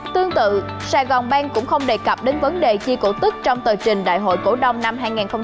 tương tự sa cơm banh cũng không đề cập đến vấn đề chia cổ tức trong tờ trình đại hội cổ đông năm hai nghìn hai mươi hai